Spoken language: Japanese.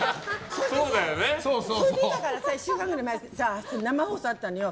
それで今から１週間くらい前に生放送あったのよ。